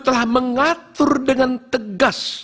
telah mengatur dengan tegas